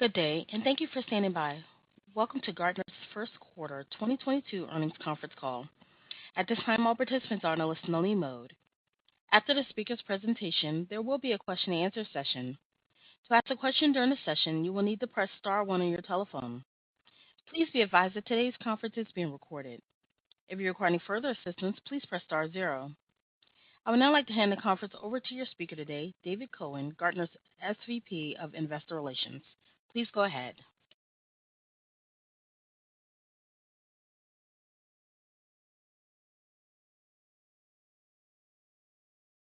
Good day, and thank you for standing by. Welcome to Gartner's Q1 2022 earnings conference call. At this time, all participants are in a listen-only mode. After the speaker's presentation, there will be a question and answer session. To ask a question during the session, you will need to press star one on your telephone. Please be advised that today's conference is being recorded. If you require any further assistance, please press star zero. I would now like to hand the conference over to your speaker today, David Cohen, Gartner's SVP of Investor Relations. Please go ahead.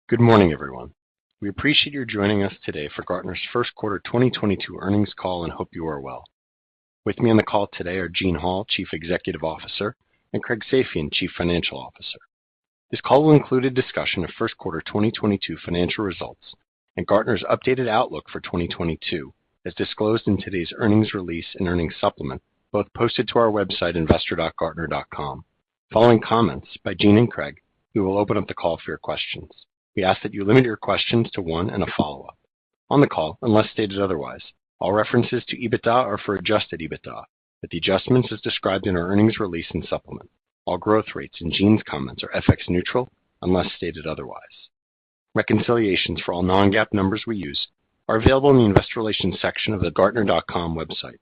Good morning, everyone. We appreciate you joining us today for Gartner's Q1 2022 Earnings Call and hope you are well. With me on the call today are Gene Hall, Chief Executive Officer, and Craig Safian, Chief Financial Officer. This call will include a discussion of Q1 2022 financial results and Gartner's updated outlook for 2022, as disclosed in today's earnings release and earnings supplement, both posted to our website, investor.gartner.com. Following comments by Gene and Craig, we will open up the call for your questions. We ask that you limit your questions to one and a follow-up. On the call, unless stated otherwise, all references to EBITDA are for adjusted EBITDA, with the adjustments as described in our earnings release and supplement. All growth rates in Gene's comments are FX neutral unless stated otherwise. Reconciliations for all non-GAAP numbers we use are available in the investor relations section of the Gartner website.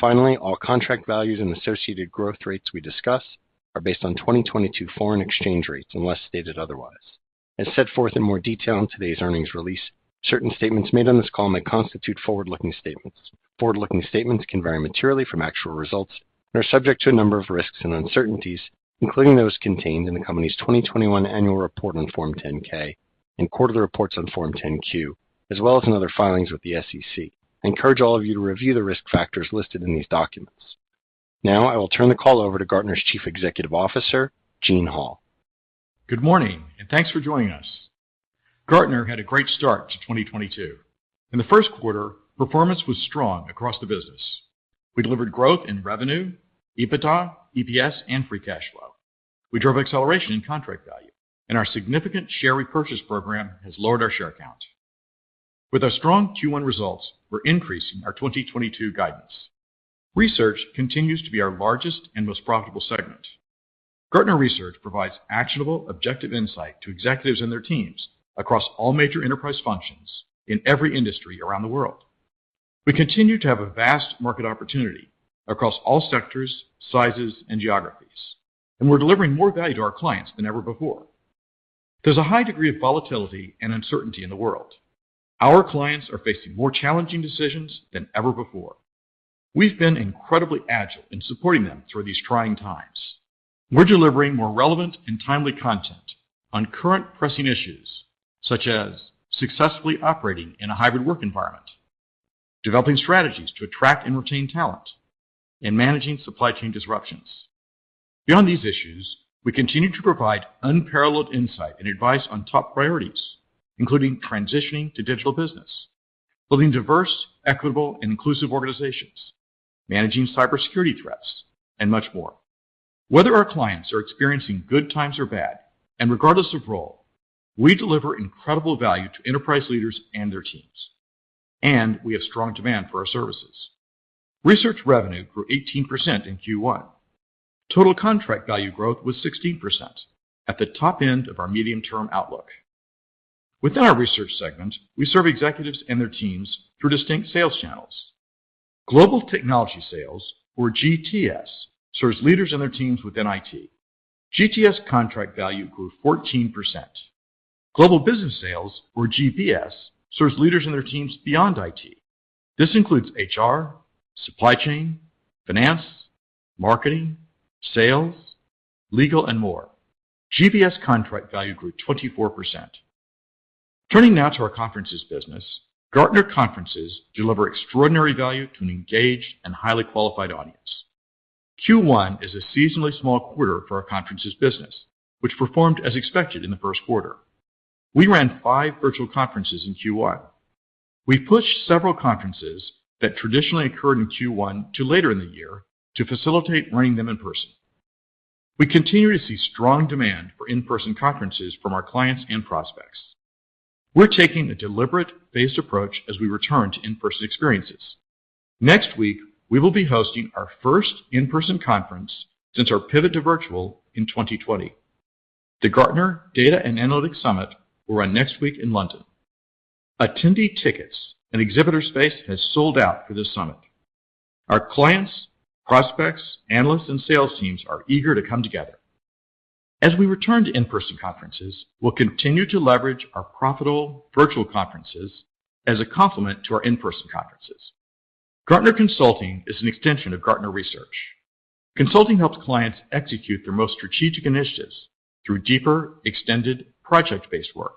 Finally, all contract values and associated growth rates we discuss are based on 2022 foreign exchange rates unless stated otherwise. As set forth in more detail in today's earnings release, certain statements made on this call may constitute forward-looking statements. Forward-looking statements can vary materially from actual results and are subject to a number of risks and uncertainties, including those contained in the company's 2021 Annual Report on Form 10-K and quarterly reports on Form 10-Q, as well as in other filings with the SEC. I encourage all of you to review the risk factors listed in these documents. Now I will turn the call over to Gartner's Chief Executive Officer, Gene Hall. Good morning, and thanks for joining us. Gartner had a great start to 2022. In the Q1, performance was strong across the business. We delivered growth in revenue, EBITDA, EPS, and free cash flow. We drove acceleration in contract value, and our significant share repurchase program has lowered our share count. With our strong Q1 results, we're increasing our 2022 guidance. Research continues to be our largest and most profitable segment. Gartner Research provides actionable, objective insight to executives and their teams across all major enterprise functions in every industry around the world. We continue to have a vast market opportunity across all sectors, sizes, and geographies, and we're delivering more value to our clients than ever before. There's a high degree of volatility and uncertainty in the world. Our clients are facing more challenging decisions than ever before. We've been incredibly agile in supporting them through these trying times. We're delivering more relevant and timely content on current pressing issues, such as successfully operating in a hybrid work environment, developing strategies to attract and retain talent, and managing supply chain disruptions. Beyond these issues, we continue to provide unparalleled insight and advice on top priorities, including transitioning to digital business, building diverse, equitable, and inclusive organizations, managing cybersecurity threats, and much more. Whether our clients are experiencing good times or bad, and regardless of role, we deliver incredible value to enterprise leaders and their teams, and we have strong demand for our services. Research revenue grew 18% in Q1. Total contract value growth was 16% at the top end of our medium-term outlook. Within our research segment, we serve executives and their teams through distinct sales channels. Global technology sales, or GTS, serves leaders and their teams within IT. GTS contract value grew 14%. Global business sales, or GBS, serves leaders and their teams beyond IT. This includes HR, supply chain, finance, marketing, sales, legal, and more. GBS contract value grew 24%. Turning now to our conferences business. Gartner Conferences deliver extraordinary value to an engaged and highly qualified audience. Q1 is a seasonally small quarter for our conferences business, which performed as expected in the Q1. We ran five virtual conferences in Q1. We pushed several conferences that traditionally occurred in Q1 to later in the year to facilitate running them in person. We continue to see strong demand for in-person conferences from our clients and prospects. We're taking a deliberate, phased approach as we return to in-person experiences. Next week, we will be hosting our first in-person conference since our pivot to virtual in 2020. The Gartner Data & Analytics Summit will run next week in London. Attendee tickets and exhibitor space has sold out for this summit. Our clients, prospects, analysts, and sales teams are eager to come together. As we return to in-person conferences, we'll continue to leverage our profitable virtual conferences as a complement to our in-person conferences. Gartner Consulting is an extension of Gartner Research. Consulting helps clients execute their most strategic initiatives through deeper, extended, project-based work.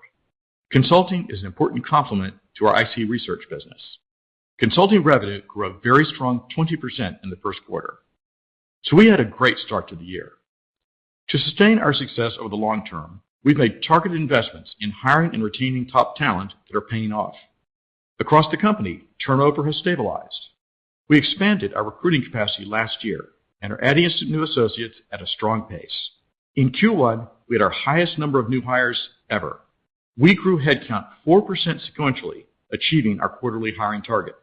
Consulting is an important complement to our IT research business. Consulting revenue grew a very strong 20% in the first quarter, so we had a great start to the year. To sustain our success over the long term, we've made targeted investments in hiring and retaining top talent that are paying off. Across the company, turnover has stabilized. We expanded our recruiting capacity last year and are adding some new associates at a strong pace. In Q1, we had our highest number of new hires ever. We grew headcount 4% sequentially, achieving our quarterly hiring target.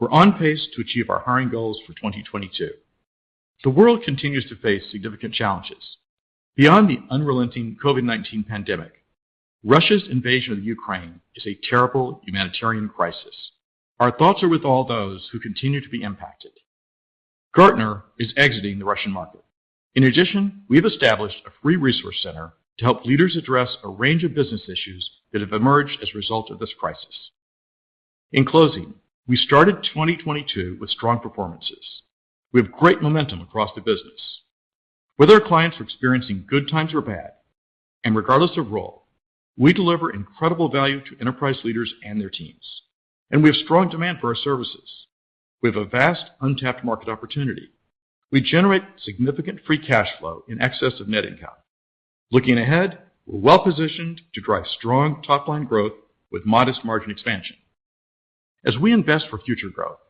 We're on pace to achieve our hiring goals for 2022. The world continues to face significant challenges. Beyond the unrelenting COVID-19 pandemic, Russia's invasion of Ukraine is a terrible humanitarian crisis. Our thoughts are with all those who continue to be impacted. Gartner is exiting the Russian market. In addition, we have established a free resource center to help leaders address a range of business issues that have emerged as a result of this crisis. In closing, we started 2022 with strong performances. We have great momentum across the business. Whether our clients are experiencing good times or bad, and regardless of role, we deliver incredible value to enterprise leaders and their teams, and we have strong demand for our services. We have a vast untapped market opportunity. We generate significant free cash flow in excess of net income. Looking ahead, we're well-positioned to drive strong top-line growth with modest margin expansion. As we invest for future growth,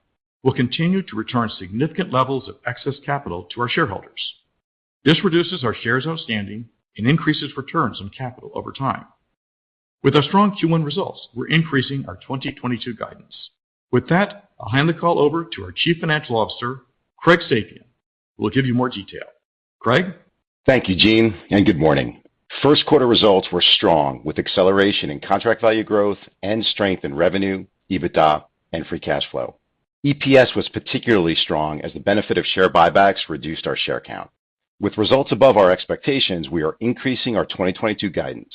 we'll continue to return significant levels of excess capital to our shareholders. This reduces our shares outstanding and increases returns on capital over time. With our strong Q1 results, we're increasing our 2022 guidance. With that, I'll hand the call over to our Chief Financial Officer, Craig Safian, who will give you more detail. Craig. Thank you, Gene, and good morning. Q1 results were strong with acceleration in contract value growth and strength in revenue, EBITDA, and free cash flow. EPS was particularly strong as the benefit of share buybacks reduced our share count. With results above our expectations, we are increasing our 2022 guidance.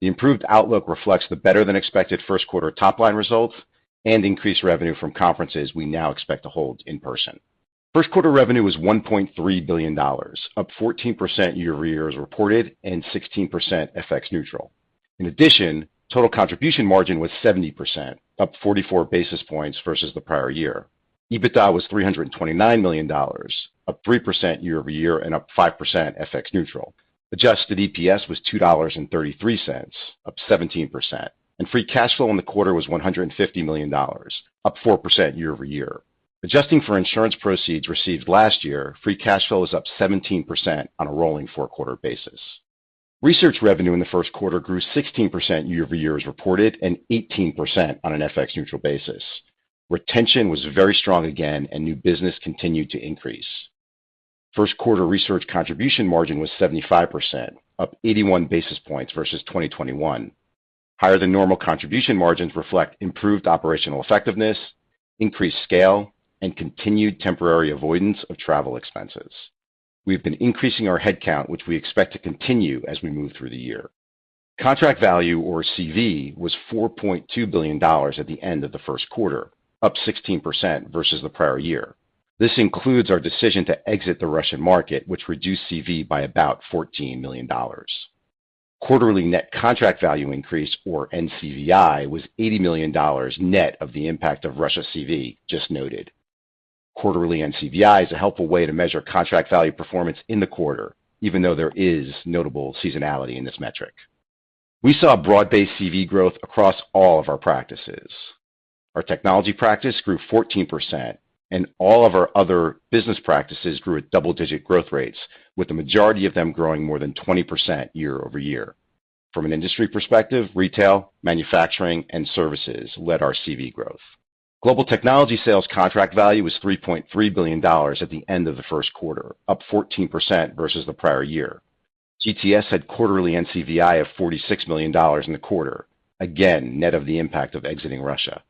The improved outlook reflects the better-than-expected Q1 top-line results and increased revenue from conferences we now expect to hold in person. Q1 revenue was $1.3 billion, up 14% year-over-year as reported, and 16% FX neutral. In addition, total contribution margin was 70%, up 44 basis points versus the prior year. EBITDA was $329 million, up 3% year-over-year and up 5% FX neutral. Adjusted EPS was $2.33, up 17%. Free cash flow in the quarter was $150 million, up 4% year-over-year. Adjusting for insurance proceeds received last year, free cash flow is up 17% on a rolling four-quarter basis. Research revenue in the Q1 grew 16% year-over-year as reported, and 18% on an FX neutral basis. Retention was very strong again, and new business continued to increase. First quarter research contribution margin was 75%, up 81 basis points versus 2021. Higher than normal contribution margins reflect improved operational effectiveness, increased scale, and continued temporary avoidance of travel expenses. We have been increasing our headcount, which we expect to continue as we move through the year. Contract value or CV was $4.2 billion at the end of the Q1, up 16% versus the prior year. This includes our decision to exit the Russian market, which reduced CV by about $14 million. Quarterly net contract value increase, or NCVI, was $80 million net of the impact of Russia's CV just noted. Quarterly NCVI is a helpful way to measure contract value performance in the quarter, even though there is notable seasonality in this metric. We saw broad-based CV growth across all of our practices. Our technology practice grew 14%, and all of our other business practices grew at double-digit growth rates, with the majority of them growing more than 20% year-over-year. From an industry perspective, retail, manufacturing, and services led our CV growth. Global technology sales contract value was $3.3 billion at the end of the Q1, up 14% versus the prior year. GTS had quarterly NCVI of $46 million in the quarter. Net of the impact of exiting Russia.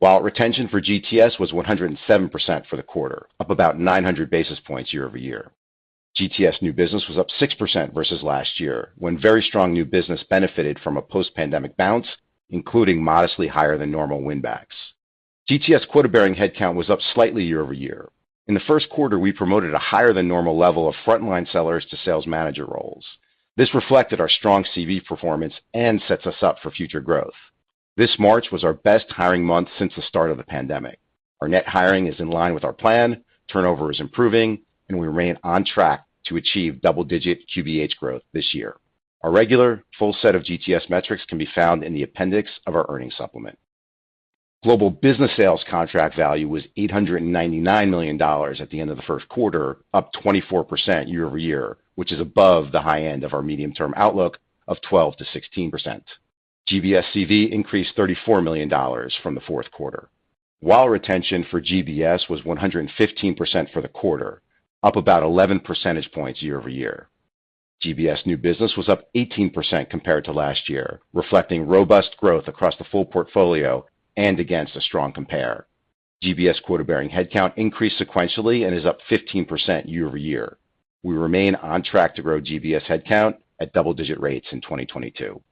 While retention for GTS was 107% for the quarter, up about 900 basis points year-over-year. GTS new business was up 6% versus last year, when very strong new business benefited from a post-pandemic bounce, including modestly higher than normal win backs. GTS quota-bearing headcount was up slightly year-over-year. In the Q1, we promoted a higher than normal level of frontline sellers to sales manager roles. This reflected our strong CV performance and sets us up for future growth. This March was our best hiring month since the start of the pandemic. Our net hiring is in line with our plan, turnover is improving, and we remain on track to achieve double-digit QBH growth this year. Our regular full set of GTS metrics can be found in the appendix of our earnings supplement. Global business sales contract value was $899 million at the end of the Q1, up 24% year-over-year, which is above the high end of our medium-term outlook of 12%-16%. GBS CV increased $34 million from the Q4 While retention for GBS was 115% for the quarter, up about 11 percentage points year-over-year. GBS new business was up 18% compared to last year, reflecting robust growth across the full portfolio and against a strong compare. GBS quota-bearing headcount increased sequentially and is up 15% year-over-year. We remain on track to grow GBS headcount at double-digit rates in 2022.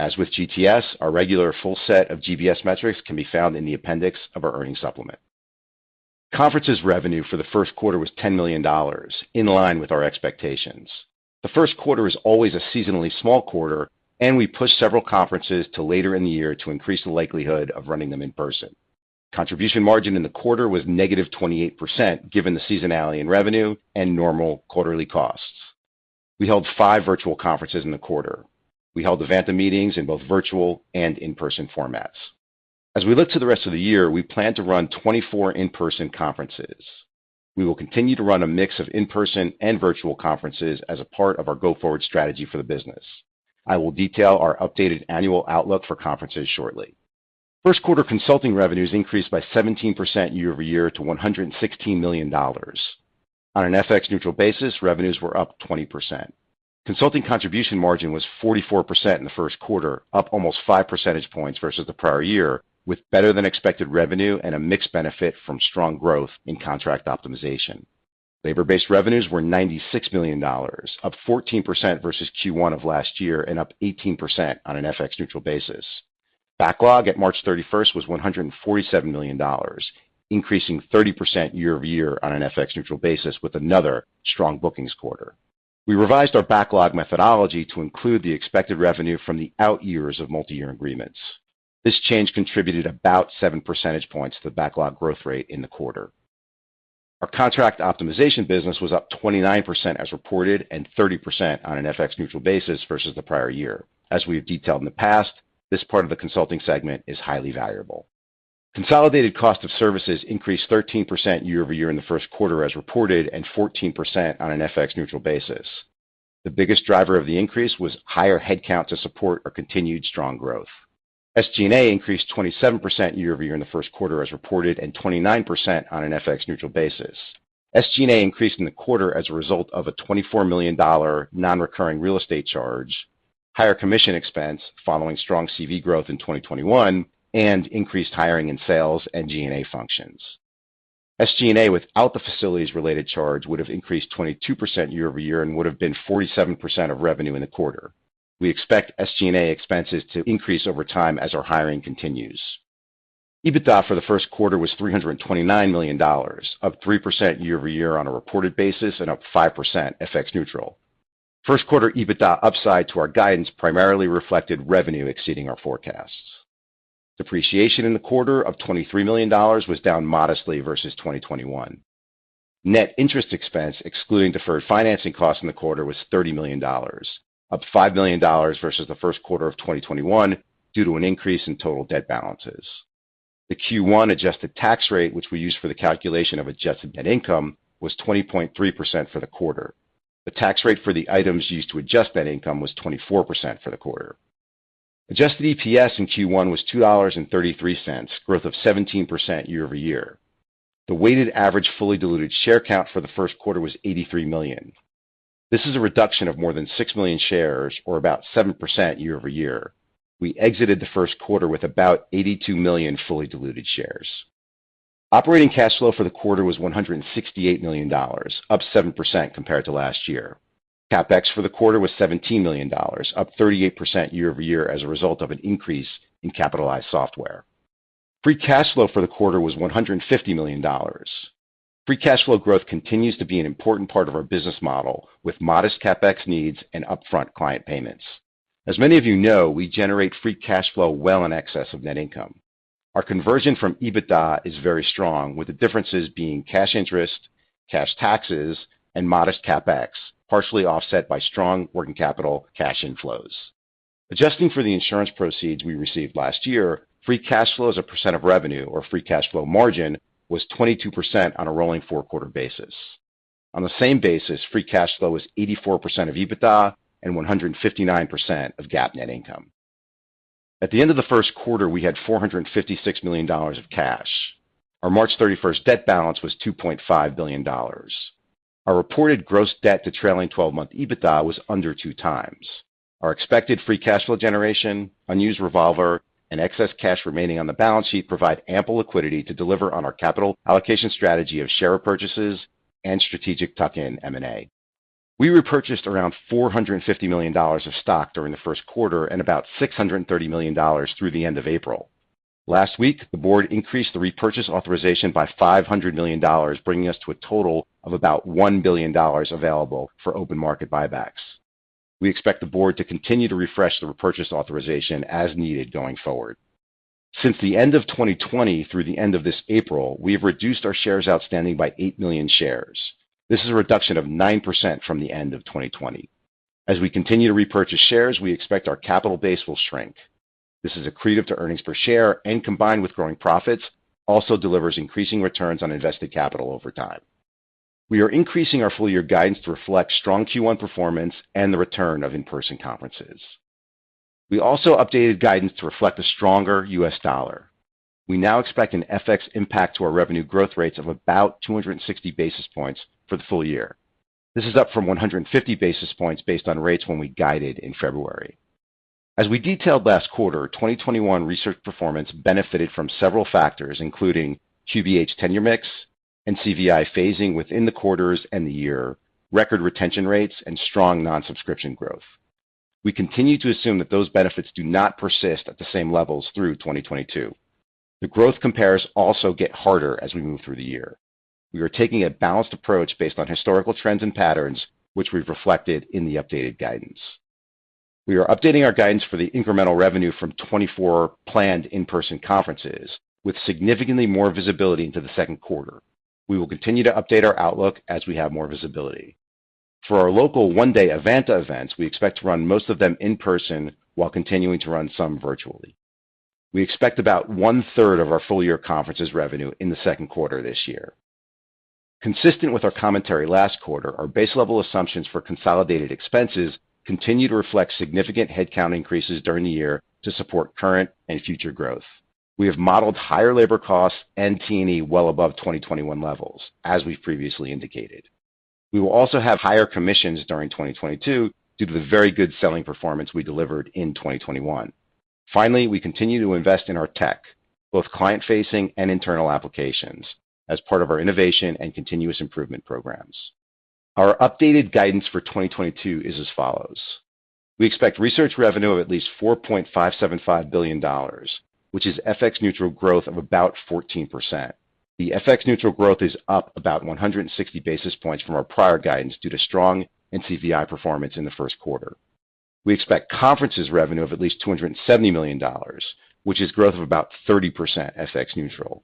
As with GTS, our regular full set of GBS metrics can be found in the appendix of our earnings supplement. Conferences revenue for the Q1 was $10 million, in line with our expectations. The Q1 is always a seasonally small quarter, and we pushed several conferences to later in the year to increase the likelihood of running them in person. Contribution margin in the quarter was negative 28% given the seasonality in revenue and normal quarterly costs. We held five virtual conferences in the quarter. We held the Evanta meetings in both virtual and in-person formats. As we look to the rest of the year, we plan to run 24 in-person conferences. We will continue to run a mix of in-person and virtual conferences as a part of our go-forward strategy for the business. I will detail our updated annual outlook for conferences shortly. First quarter consulting revenues increased by 17% year-over-year to $116 million. On an FX neutral basis, revenues were up 20%. Consulting contribution margin was 44% in the Q1, up almost 5 percentage points versus the prior year, with better than expected revenue and a mixed benefit from strong growth in contract optimization. Labor-based revenues were $96 million, up 14% versus Q1 of last year and up 18% on an FX neutral basis. Backlog at March 31 was $147 million, increasing 30% year-over-year on an FX neutral basis with another strong bookings quarter. We revised our backlog methodology to include the expected revenue from the out years of multiyear agreements. This change contributed about 7 percentage points to the backlog growth rate in the quarter. Our contract optimization business was up 29% as reported and 30% on an FX neutral basis versus the prior year. As we have detailed in the past, this part of the consulting segment is highly valuable. Consolidated cost of services increased 13% year-over-year in the Q1 as reported and 14% on an FX neutral basis. The biggest driver of the increase was higher headcount to support our continued strong growth. SG&A increased 27% year-over-year in the first quarter as reported and 29% on an FX neutral basis. SG&A increased in the quarter as a result of a $24 million non-recurring real estate charge, higher commission expense following strong CV growth in 2021, and increased hiring in sales and G&A functions. SG&A without the facilities related charge would have increased 22% year-over-year and would have been 47% of revenue in the quarter. We expect SG&A expenses to increase over time as our hiring continues. EBITDA for the Q1 was $329 million, up 3% year-over-year on a reported basis and up 5% FX neutral. Q1 EBITDA upside to our guidance primarily reflected revenue exceeding our forecasts. Depreciation in the quarter of $23 million was down modestly versus 2021. Net interest expense, excluding deferred financing costs in the quarter, was $30 million, up $5 million versus the Q1 of 2021 due to an increase in total debt balances. The Q1 adjusted tax rate, which we use for the calculation of adjusted net income, was 20.3% for the quarter. The tax rate for the items used to adjust net income was 24% for the quarter. Adjusted EPS in Q1 was $2.33, growth of 17% year-over-year. The weighted average fully diluted share count for the first quarter was 83 million. This is a reduction of more than 6 million shares or about 7% year-over-year. We exited the Q1 with about 82 million fully diluted shares. Operating cash flow for the quarter was $168 million, up 7% compared to last year. CapEx for the quarter was $17 million, up 38% year-over-year as a result of an increase in capitalized software. Free cash flow for the quarter was $150 million. Free cash flow growth continues to be an important part of our business model with modest CapEx needs and upfront client payments. As many of you know, we generate free cash flow well in excess of net income. Our conversion from EBITDA is very strong, with the differences being cash interest, cash taxes, and modest CapEx, partially offset by strong working capital cash inflows. Adjusting for the insurance proceeds we received last year, free cash flow as a percent of revenue or free cash flow margin was 22% on a rolling four-quarter basis. On the same basis, free cash flow was 84% of EBITDA and 159% of GAAP net income. At the end of the first quarter, we had $456 million of cash. Our March 31 debt balance was $2.5 billion. Our reported gross debt to trailing twelve-month EBITDA was under 2.0x. Our expected free cash flow generation, unused revolver, and excess cash remaining on the balance sheet provide ample liquidity to deliver on our capital allocation strategy of share purchases and strategic tuck-in M&A. We repurchased around $450 million of stock during the first quarter and about $630 million through the end of April. Last week, the board increased the repurchase authorization by $500 million, bringing us to a total of about $1 billion available for open market buybacks. We expect the board to continue to refresh the repurchase authorization as needed going forward. Since the end of 2020 through the end of this April, we have reduced our shares outstanding by 8 million shares. This is a reduction of 9% from the end of 2020. As we continue to repurchase shares, we expect our capital base will shrink. This is accretive to earnings per share, and combined with growing profits, also delivers increasing returns on invested capital over time. We are increasing our full year guidance to reflect strong Q1 performance and the return of in-person conferences. We also updated guidance to reflect a stronger U.S. dollar. We now expect an FX impact to our revenue growth rates of about 260 basis points for the full year. This is up from 150 basis points based on rates when we guided in February. As we detailed last quarter, 2021 research performance benefited from several factors, including QBH tenure mix and CVI phasing within the quarters and the year, record retention rates, and strong non-subscription growth. We continue to assume that those benefits do not persist at the same levels through 2022. The growth compares also get harder as we move through the year. We are taking a balanced approach based on historical trends and patterns which we've reflected in the updated guidance. We are updating our guidance for the incremental revenue from 24 planned in-person conferences with significantly more visibility into the second quarter. We will continue to update our outlook as we have more visibility. For our local one-day Evanta events, we expect to run most of them in person while continuing to run some virtually. We expect about one-third of our full-year conferences revenue in the second quarter this year. Consistent with our commentary last quarter, our base level assumptions for consolidated expenses continue to reflect significant headcount increases during the year to support current and future growth. We have modeled higher labor costs and T&E well above 2021 levels, as we've previously indicated. We will also have higher commissions during 2022 due to the very good selling performance we delivered in 2021. Finally, we continue to invest in our tech, both client-facing and internal applications, as part of our innovation and continuous improvement programs. Our updated guidance for 2022 is as follows. We expect research revenue of at least $4.575 billion, which is FX neutral growth of about 14%. The FX neutral growth is up about 160 basis points from our prior guidance due to strong NCVI performance in the Q1. We expect conferences revenue of at least $270 million, which is growth of about 30% FX neutral.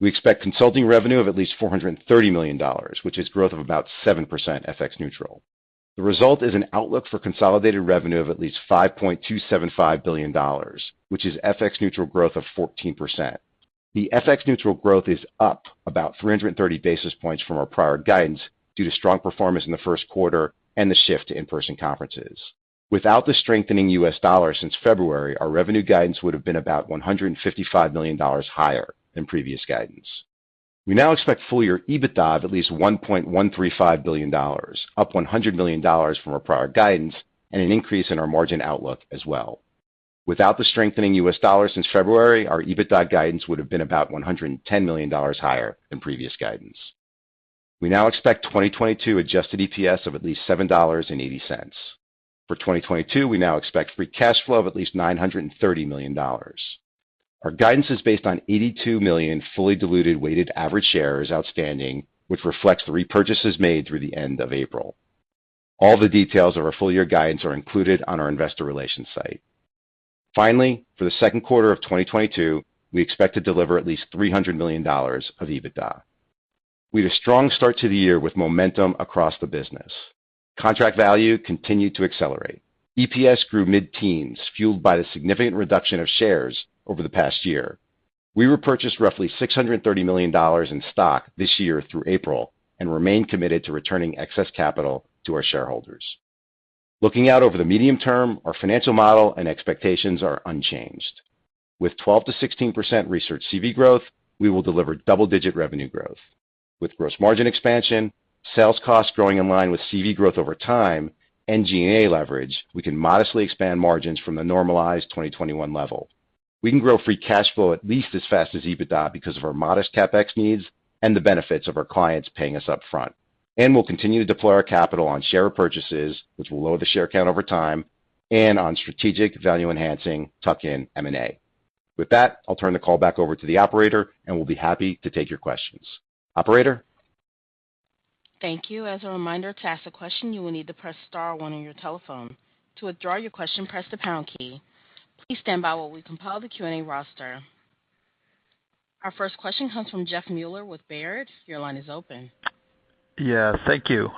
We expect consulting revenue of at least $430 million, which is growth of about 7% FX neutral. The result is an outlook for consolidated revenue of at least $5.275 billion, which is FX neutral growth of 14%. The FX neutral growth is up about 330 basis points from our prior guidance due to strong performance in the first quarter and the shift to in-person conferences. Without the strengthening U.S. dollar since February, our revenue guidance would have been about $155 million higher than previous guidance. We now expect full-year EBITDA of at least $1.135 billion, up $100 million from our prior guidance and an increase in our margin outlook as well. Without the strengthening US dollar since February, our EBITDA guidance would have been about $110 million higher than previous guidance. We now expect 2022 adjusted EPS of at least $7.80. For 2022, we now expect free cash flow of at least $930 million. Our guidance is based on 82 million fully diluted weighted average shares outstanding, which reflects the repurchases made through the end of April. All the details of our full-year guidance are included on our investor relations site. Finally, for the second quarter of 2022, we expect to deliver at least $300 million of EBITDA. We had a strong start to the year with momentum across the business. Contract value continued to accelerate. EPS grew mid-teens%, fueled by the significant reduction of shares over the past year. We repurchased roughly $630 million in stock this year through April and remain committed to returning excess capital to our shareholders. Looking out over the medium term, our financial model and expectations are unchanged. With 12%-16% Research CV growth, we will deliver double-digit revenue growth. With gross margin expansion, sales costs growing in line with CV growth over time, and G&A leverage, we can modestly expand margins from the normalized 2021 level. We can grow free cash flow at least as fast as EBITDA because of our modest CapEx needs and the benefits of our clients paying us up front. We'll continue to deploy our capital on share purchases, which will lower the share count over time, and on strategic value enhancing tuck-in M&A. With that, I'll turn the call back over to the operator, and we'll be happy to take your questions. Operator? Thank you. As a reminder, to ask a question, you will need to press star one on your telephone. To withdraw your question, press the pound key. Please stand by while we compile the Q&A roster. Our first question comes from Jeffrey Meuler with Baird. Your line is open. Yeah, thank you.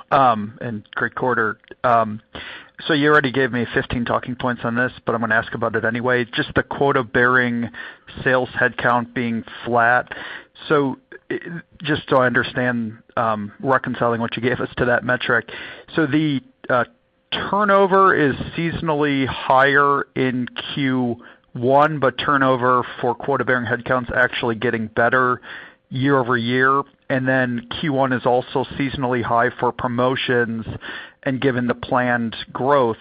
Great quarter. You already gave me 15 talking points on this, but I'm gonna ask about it anyway. Just the quota-bearing sales headcount being flat. Just so I understand, reconciling what you gave us to that metric. The turnover is seasonally higher in Q1, but turnover for quota-bearing headcounts actually getting better year-over-year. Q1 is also seasonally high for promotions. Given the planned growth,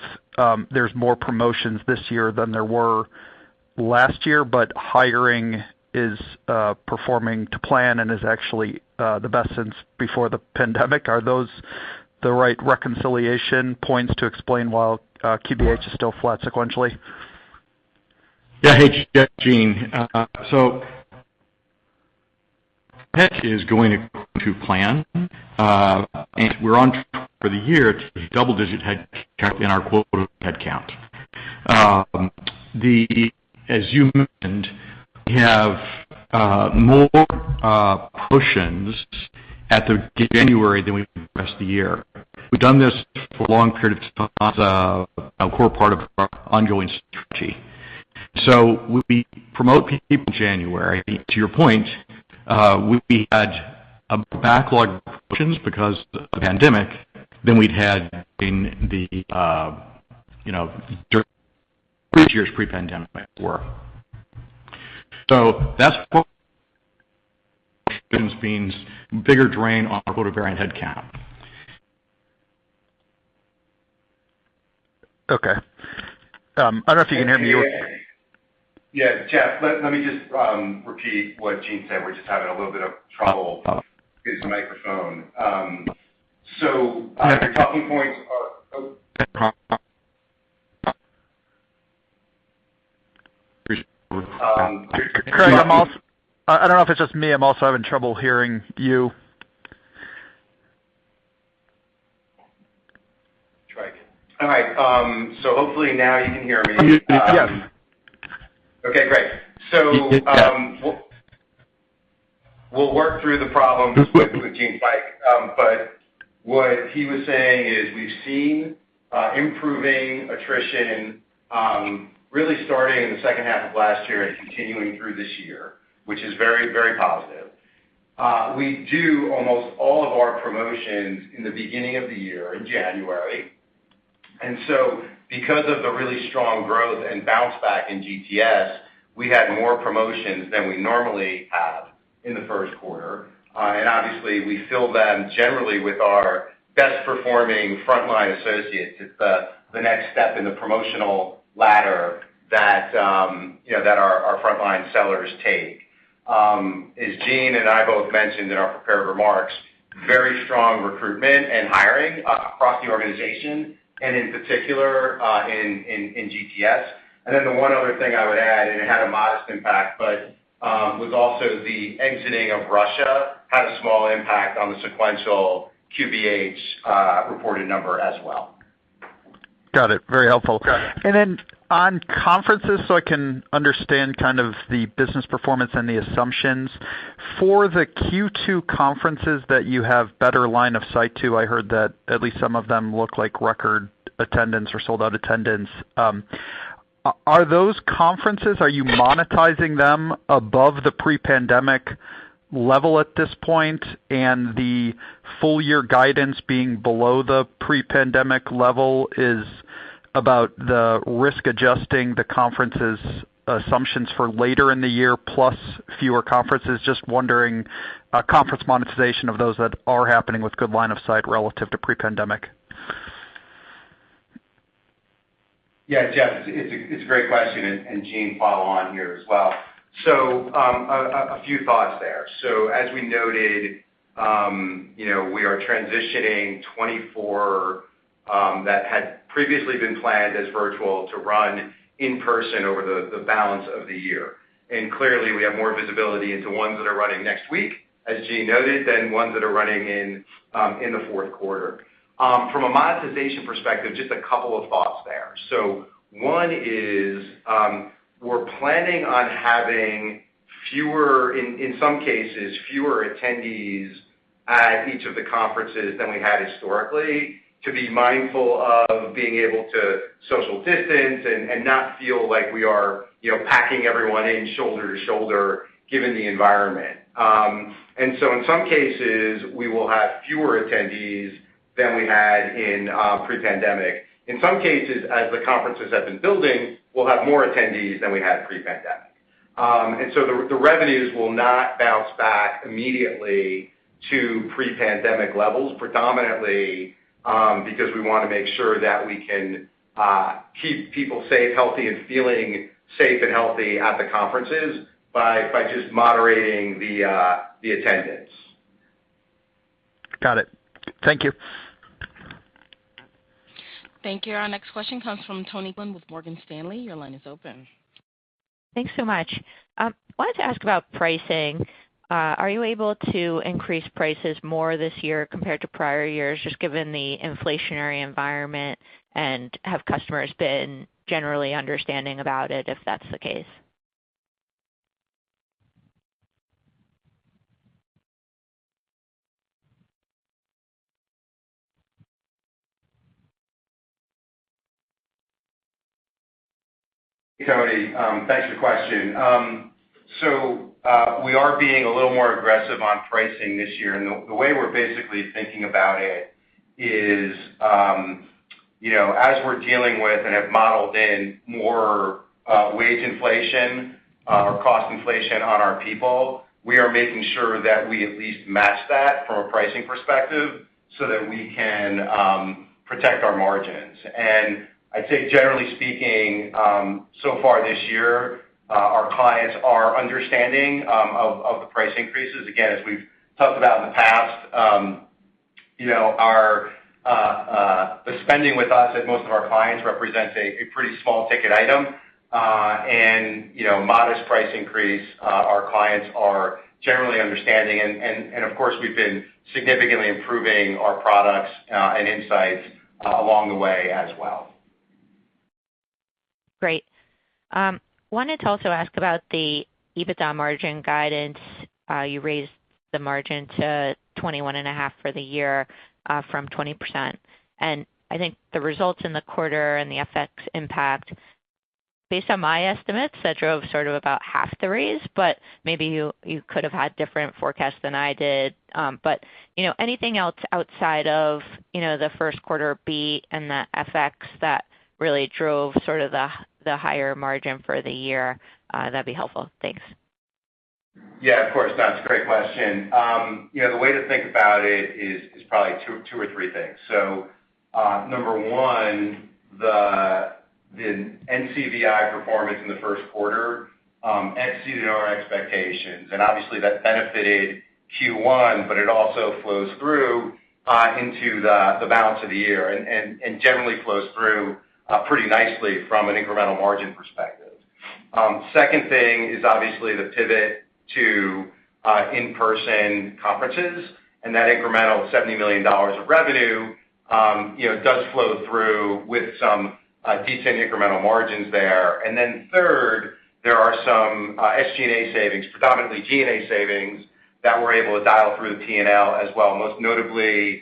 there's more promotions this year than there were last year. Hiring is performing to plan and is actually the best since before the pandemic. Are those the right reconciliation points to explain why QBH is still flat sequentially? Yeah. Hey, Jeff. Gene. It's going to plan, and we're on track for the year to double-digit headcount in our quota headcount. As you mentioned, we have more promotions in January than we've had in the year. We've done this for a long period of time as a core part of our ongoing strategy. We promote people in January. To your point, we had a backlog of promotions because of the pandemic than we'd had in the, you know, during previous years pre-pandemic. That's what it means bigger drain on our quota-bearing headcount. Okay. I don't know if you can hear me. Yeah, Jeff, let me just repeat what Gene said. We're just having a little bit of trouble with his microphone. The talking points are. Craig, I don't know if it's just me. I'm also having trouble hearing you. Try again. All right. Hopefully now you can hear me. I can hear you, yes. Okay, great. Yes, yes. Yeah. We'll work through the problems with Gene's mic. What he was saying is we've seen improving attrition really starting in the second half of last year and continuing through this year, which is very positive. We do almost all of our promotions in the beginning of the year in January. Because of the really strong growth and bounce back in GTS, we had more promotions than we normally have in the Q1. Obviously, we fill them generally with our best-performing frontline associates. It's the next step in the promotional ladder that you know that our frontline sellers take. As Gene and I both mentioned in our prepared remarks, very strong recruitment and hiring across the organization, and in particular, in GTS. The one other thing I would add, and it had a modest impact, but was also the exiting of Russia had a small impact on the sequential QBH reported number as well. Got it. Very helpful. Got it. On conferences, so I can understand kind of the business performance and the assumptions. For the Q2 conferences that you have better line of sight to, I heard that at least some of them look like record attendance or sold-out attendance. Are those conferences, are you monetizing them above the pre-pandemic level at this point? The full year guidance being below the pre-pandemic level is about the risk adjusting the conference's assumptions for later in the year, plus fewer conferences. Just wondering, conference monetization of those that are happening with good line of sight relative to pre-pandemic. Yeah, Jeff, it's a great question, and Gene follow on here as well. A few thoughts there. As we noted, you know, we are transitioning 24 that had previously been planned as virtual to run in person over the balance of the year. Clearly, we have more visibility into ones that are running next week, as Gene noted, than ones that are running in the fourth quarter. From a monetization perspective, just a couple of thoughts there. One is, we're planning on having fewer, in some cases, fewer attendees at each of the conferences than we had historically to be mindful of being able to social distance and not feel like we are, packing everyone in shoulder to shoulder given the environment. In some cases, we will have fewer attendees than we had in pre-pandemic. In some cases, as the conferences have been building, we'll have more attendees than we had pre-pandemic. The revenues will not bounce back immediately to pre-pandemic levels, predominantly, because we wanna make sure that we can keep people safe, healthy, and feeling safe and healthy at the conferences by just moderating the attendance. Got it. Thank you. Thank you. Our next question comes from Toni Kaplan with Morgan Stanley. Your line is open. Thanks so much. Wanted to ask about pricing. Are you able to increase prices more this year compared to prior years, just given the inflationary environment? Have customers been generally understanding about it, if that's the case? Toni, thanks for the question. We are being a little more aggressive on pricing this year, and the way we're basically thinking about it is, you know, as we're dealing with and have modeled in more wage inflation or cost inflation on our people, we are making sure that we at least match that from a pricing perspective so that we can protect our margins. I'd say, generally speaking, so far this year, our clients are understanding of the price increases. Again, as we've talked about in the past, you know, the spending with us at most of our clients represents a pretty small ticket item, and you know, modest price increase, our clients are generally understanding. Of course, we've been significantly improving our products and insights along the way as well. Great. Wanted to also ask about the EBITDA margin guidance. You raised the margin to 21.5% for the year from 20%. I think the results in the quarter and the FX impact, based on my estimates, that drove sort of about half the raise, but maybe you could have had different forecasts than I did. But, anything else outside of, the Q1 beat and the FX that really drove sort of the higher margin for the year, that'd be helpful. Thanks. Yeah, of course. No, it's a great question. The way to think about it is probably two or three things. Number one, the NCVI performance in the Q1 exceeded our expectations, and obviously, that benefited Q1, but it also flows through into the balance of the year and generally flows through pretty nicely from an incremental margin perspective. Second thing is obviously the pivot to in-person conferences, and that incremental $70 million of revenue, does flow through with some decent incremental margins there. Then third, there are some SG&A savings, predominantly G&A savings, that we're able to dial through the P&L as well. Most notably,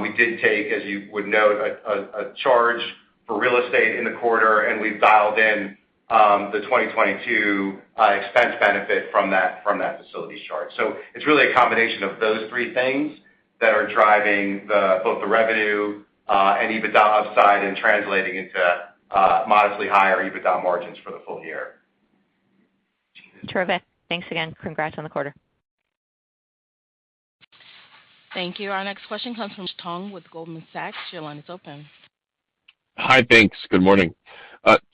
we did take, as you would note, a charge for real estate in the quarter, and we've dialed in the 2022 expense benefit from that facility charge. It's really a combination of those three things that are driving both the revenue and EBITDA upside and translating into modestly higher EBITDA margins for the full-year. Terrific. Thanks again. Congrats on the quarter. Thank you. Our next question comes from George Tong with Goldman Sachs. Your line is open. Hi. Thanks. Good morning.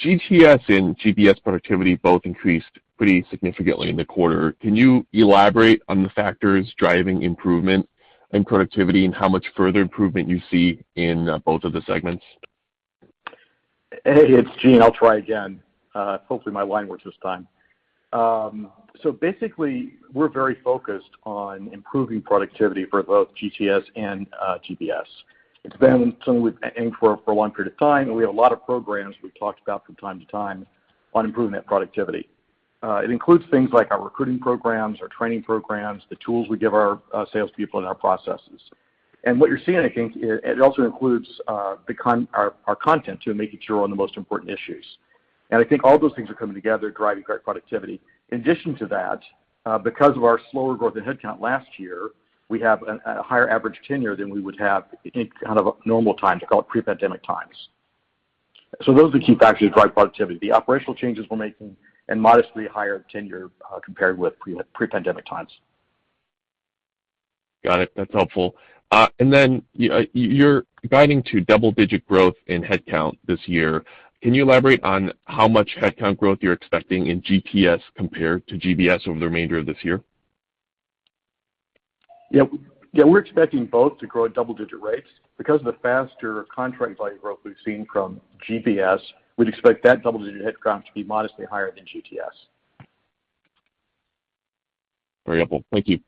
GTS and GBS productivity both increased pretty significantly in the quarter. Can you elaborate on the factors driving improvement in productivity and how much further improvement you see in both of the segments? Hey, it's Gene. I'll try again. Hopefully my line works this time. Basically, we're very focused on improving productivity for both GTS and GBS. It's been something we've aimed for for a long period of time, and we have a lot of programs we've talked about from time to time on improving that productivity. It includes things like our recruiting programs, our training programs, the tools we give our salespeople and our processes. What you're seeing, I think, it also includes our content to making sure on the most important issues. I think all those things are coming together, driving great productivity. In addition to that, because of our slower growth in headcount last year, we have a higher average tenure than we would have in kind of normal times, call it pre-pandemic times. Those are the key factors that drive productivity, the operational changes we're making and modestly higher tenure, compared with pre-pandemic times. Got it. That's helpful. You're guiding to double-digit growth in headcount this year. Can you elaborate on how much headcount growth you're expecting in GTS compared to GBS over the remainder of this year? Yeah, we're expecting both to grow at double-digit rates. Because of the faster contract value growth we've seen from GBS, we'd expect that double-digit headcount to be modestly higher than GTS. Very helpful. Thank you.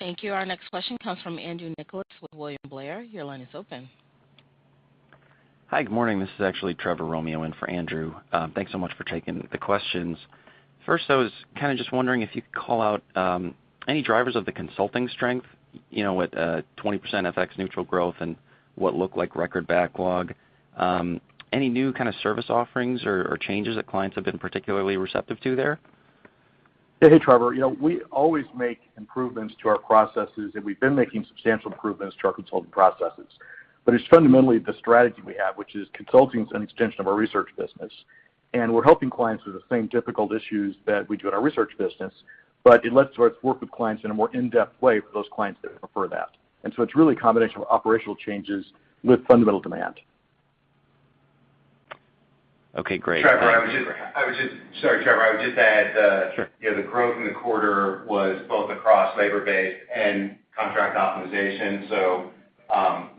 Thank you. Our next question comes from Andrew Nicholas with William Blair. Your line is open. Hi. Good morning. This is actually Trevor Romeo in for Andrew. Thanks so much for taking the questions. First, I was kinda just wondering if you could call out any drivers of the consulting strength, with 20% FX neutral growth and what looked like record backlog. Any new kind of service offerings or changes that clients have been particularly receptive to there? Hey, Trevor. We always make improvements to our processes, and we've been making substantial improvements to our consulting processes. It's fundamentally the strategy we have, which is consulting is an extension of our research business, and we're helping clients with the same difficult issues that we do in our research business, but it lets us work with clients in a more in-depth way for those clients that prefer that. It's really a combination of operational changes with fundamental demand. Okay, great. Trevor. Sorry, Trevor. I would just add. Sure. The growth in the quarter was both across labor-based and contract optimization. 14%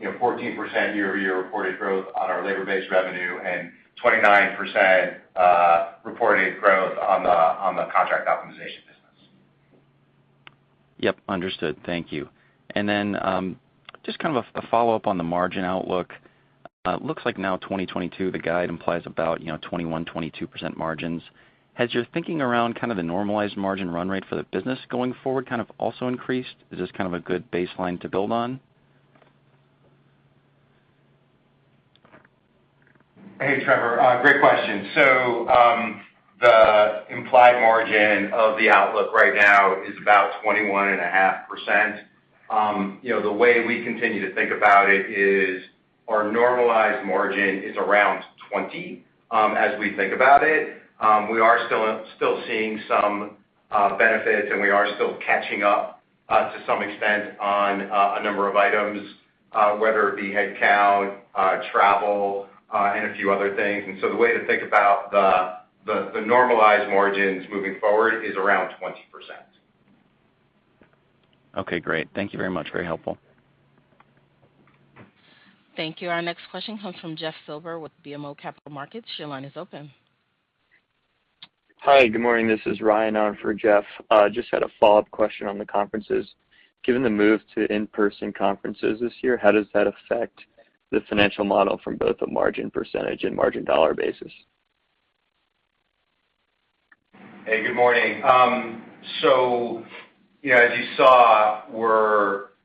year-over-year reported growth on our labor-based revenue and 29% reported growth on the contract optimization business. Yep, understood. Thank you. Just kind of a follow-up on the margin outlook. Looks like now 2022, the guide implies about 21%-22% margins. Has your thinking around kind of the normalized margin run rate for the business going forward kind of also increased? Is this kind of a good baseline to build on? Hey, Trevor. Great question. The implied margin of the outlook right now is about 21.5%. The way we continue to think about it is our normalized margin is around 20, as we think about it. We are still seeing some benefits, and we are still catching up to some extent on a number of items, whether it be headcount, travel, and a few other things. The way to think about the normalized margins moving forward is around 20%. Okay, great. Thank you very much. Very helpful. Thank you. Our next question comes from Jeff Silber with BMO Capital Markets. Your line is open. Hi, good morning. This is Ryan on for Jeff. Just had a follow-up question on the conferences. Given the move to in-person conferences this year, how does that affect the financial model from both a margin percentage and margin dollar basis? Hey, good morning. You know, as you saw,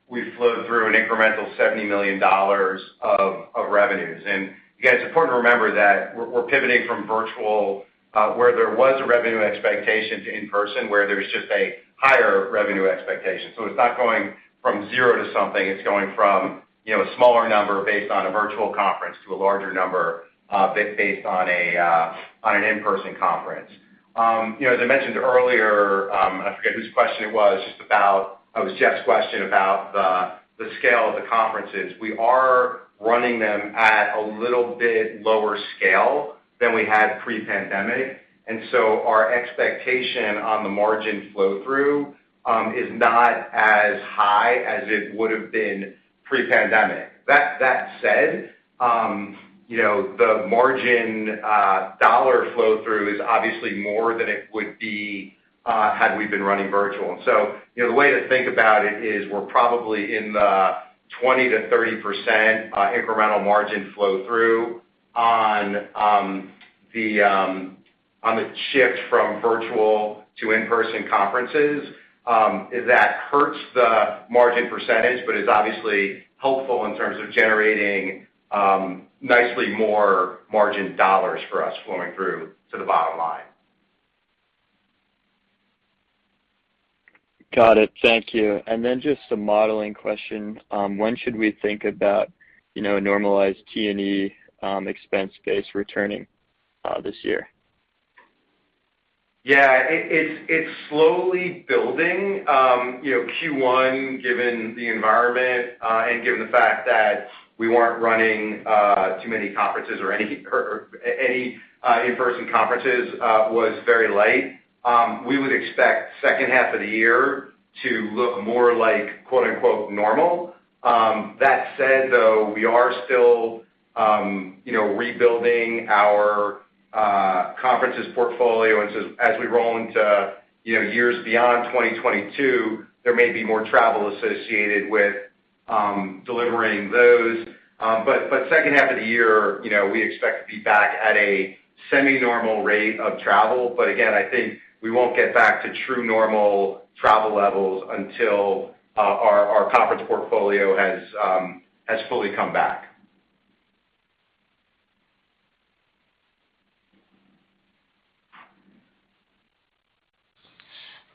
we flowed through an incremental $70 million of revenues. Again, it's important to remember that we're pivoting from virtual, where there was a revenue expectation to in-person, where there's just a higher revenue expectation. It's not going from zero to something. It's going from, a smaller number based on a virtual conference to a larger number based on an in-person conference. As I mentioned earlier, and I forget whose question it was, just about. Oh, it was Jeff's question about the scale of the conferences. We are running them at a little bit lower scale than we had pre-pandemic. Our expectation on the margin flow-through is not as high as it would have been pre-pandemic. That said, the margin dollar flow-through is obviously more than it would be had we been running virtual. You know, the way to think about it is we're probably in the 20%-30% incremental margin flow-through on the shift from virtual to in-person conferences is that hurts the margin percentage but is obviously helpful in terms of generating nicely more margin dollars for us flowing through to the bottom line. Got it. Thank you. Just some modeling question. When should we think about, you know, normalized T&E expense base returning this year? Yeah. It's slowly building. Q1, given the environment, and given the fact that we weren't running too many conferences or any in-person conferences, was very light. We would expect second half of the year to look more like quote-unquote normal. That said, though, we are still, rebuilding our conferences portfolio. As we roll into, years beyond 2022, there may be more travel associated with delivering those. Second half of the year, you know, we expect to be back at a semi-normal rate of travel. Again, I think we won't get back to true normal travel levels until our conference portfolio has fully come back.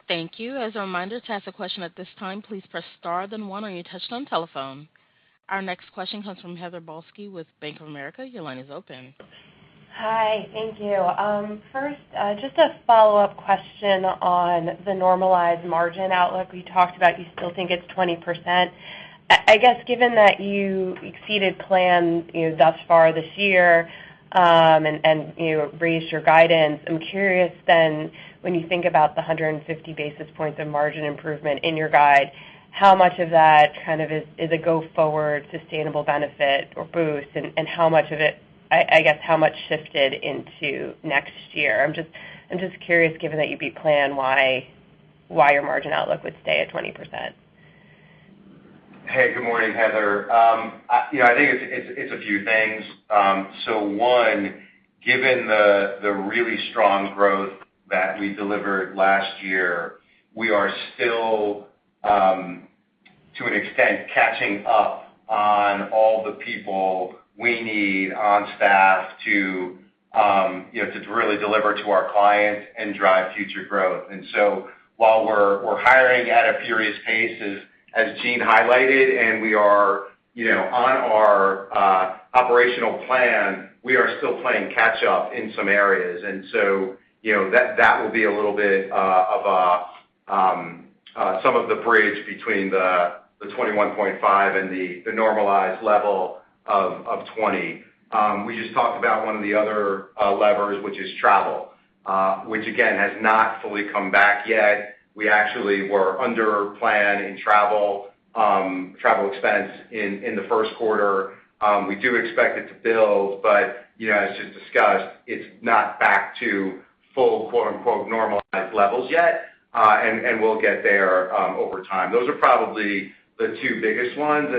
Thank you. As a reminder, to ask a question at this time, please press star then one on your touchtone telephone. Our next question comes from Heather Balsky with Bank of America. Your line is open. Hi. Thank you. First, just a follow-up question on the normalized margin outlook. You talked about you still think it's 20%. I guess given that you exceeded plan, you thus far this year, and raised your guidance, I'm curious then, when you think about the 150 basis points of margin improvement in your guide, how much of that kind of is a go forward sustainable benefit or boost, and how much of it I guess how much shifted into next year? I'm just curious given that you beat plan, why your margin outlook would stay at 20%. Hey, good morning, Heather. I think it's a few things. One, given the really strong growth that we delivered last year, we are still, to an extent, catching up on all the people we need on staff to really deliver to our clients and drive future growth. While we're hiring at a furious pace, as Gene highlighted, and we are, on our operational plan, we are still playing catch up in some areas. That will be a little bit of some of the bridge between the 21.5% and the normalized level of 20%. We just talked about one of the other levers, which is travel, which again, has not fully come back yet. We actually were under plan in travel expense in the first quarter. We do expect it to build, but as just discussed, it's not back to full quote-unquote normalized levels yet, and we'll get there over time. Those are probably the two biggest ones.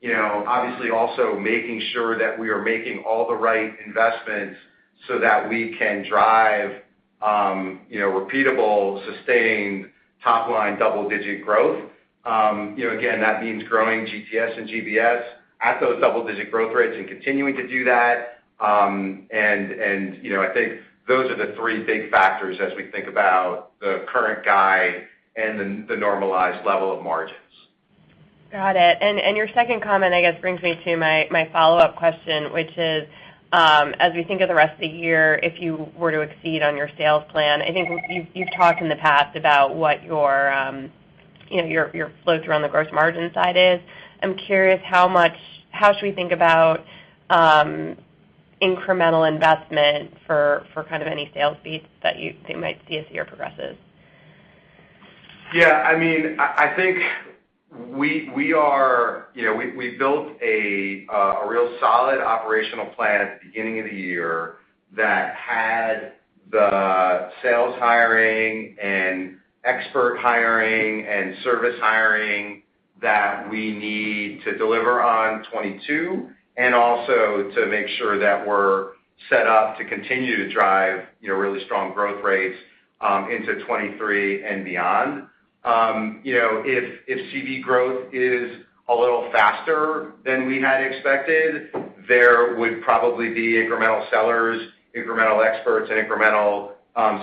Obviously also making sure that we are making all the right investments so that we can drive, repeatable, sustained top-line double-digit growth. Again, that means growing GTS and GBS at those double-digit growth rates and continuing to do that. I think those are the three big factors as we think about the current guide and the normalized level of margins. Got it. Your second comment, I guess, brings me to my follow-up question, which is, as we think of the rest of the year, if you were to exceed on your sales plan, I think you've talked in the past about what your flow-through around the gross margin side is. I'm curious how should we think about incremental investment for kind of any sales beats that you think might see as the year progresses? Yeah, I mean, I think we are. We built a real solid operational plan at the beginning of the year that had the sales hiring and expert hiring and service hiring that we need to deliver on 2022, and also to make sure that we're set up to continue to drive, really strong growth rates into 2023 and beyond. If CVI growth is a little faster than we had expected, there would probably be incremental sellers, incremental experts and incremental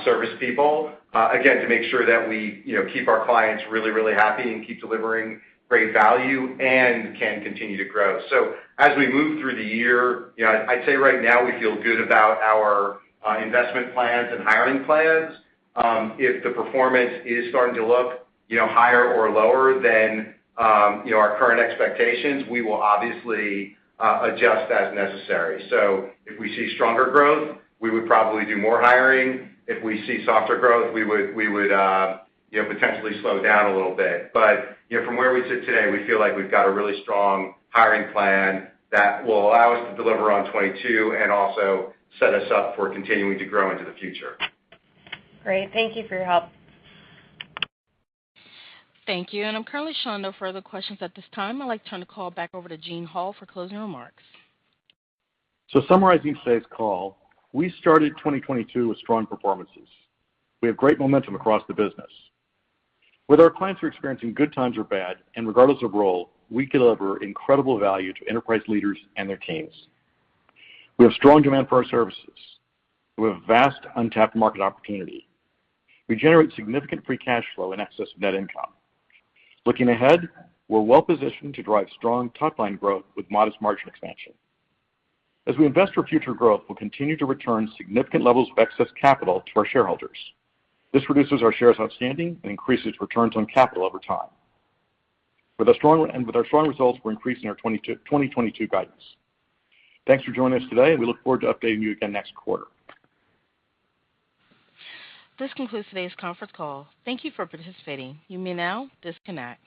service people, again, to make sure that we, you know, keep our clients really, really happy and keep delivering great value and can continue to grow. As we move through the year, I'd say right now we feel good about our investment plans and hiring plans. If the performance is starting to look, higher or lower than, our current expectations, we will obviously adjust as necessary. If we see stronger growth, we would probably do more hiring. If we see softer growth, we would potentially slow down a little bit. From where we sit today, we feel like we've got a really strong hiring plan that will allow us to deliver on 22 and also set us up for continuing to grow into the future. Great. Thank you for your help. Thank you. I'm currently showing no further questions at this time. I'd like to turn the call back over to Gene Hall for closing remarks. Summarizing today's call, we started 2022 with strong performances. We have great momentum across the business. Whether our clients are experiencing good times or bad, and regardless of role, we deliver incredible value to enterprise leaders and their teams. We have strong demand for our services. We have vast untapped market opportunity. We generate significant free cash flow in excess of net income. Looking ahead, we're well-positioned to drive strong top-line growth with modest margin expansion. As we invest for future growth, we'll continue to return significant levels of excess capital to our shareholders. This reduces our shares outstanding and increases returns on capital over time. With our strong results, we're increasing our 2022 guidance. Thanks for joining us today, and we look forward to updating you again next quarter. This concludes today's conference call. Thank you for participating. You may now disconnect.